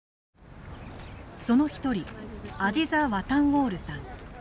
その一人アジザ・ワタンウォールさん。